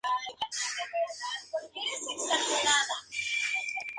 Estudió Filología Hispánica en la Universidad de Barcelona.